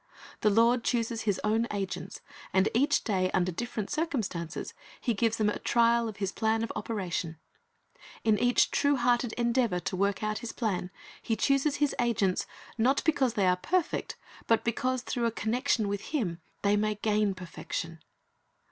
The Lord chooses His own agents, and each day under different circumstances He gives them a trial in His plan of operation. In each true hearted endeavor to work out His plan. He chooses His agents, not because they are perfect, but because, through a connection with Him, they may gain perfection.